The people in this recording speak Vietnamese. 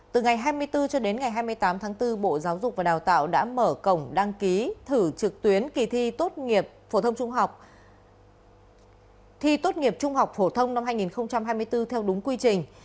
từ ngày hai mươi bốn cho đến ngày hai mươi tám tháng bốn bộ giáo dục và đào tạo đã mở cổng đăng ký thử trực tuyến kỳ thi tốt nghiệp trung học phổ thông năm hai nghìn hai mươi bốn theo đúng quy trình